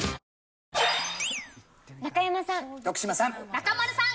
中丸さん。